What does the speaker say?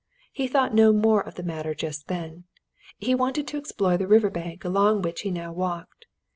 He thought no more of the matter just then; he wanted to explore the river bank along which he now walked.